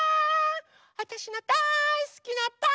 わたしがだいすきなパン